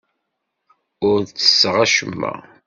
Ur ttesseɣ acemma.